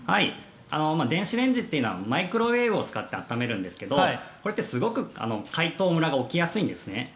電子レンジというのはマイクロウェーブを使って温めるんですけどこれってすごく解凍のむらが起きやすいんですね。